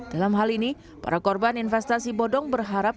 dalam hal ini para korban investasi bodong berharap